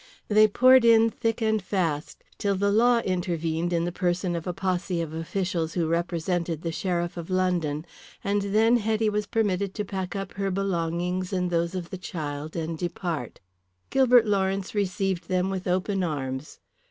They poured in thick and fast till the law intervened in the person of a posse of officials who represented the Sheriff of London, and then Hetty was permitted to pack up her belongings and those of the child and depart. Gilbert Lawrence received them with open arms.